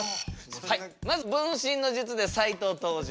まず分身の術で斉藤登場。